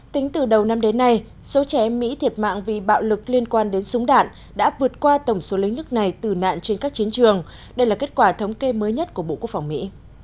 tính từ đầu năm đến nay số trẻ mỹ thiệt mạng vì bạo lực liên quan đến súng đạn đã vượt qua tổng số lính nước này tử nạn trên các chiến trường đây là kết quả thống kê mới nhất của bộ quốc phòng mỹ